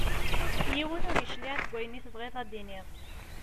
Yiwen ur yecliɛ deg wayen i tebɣiḍ ad d-tiniḍ.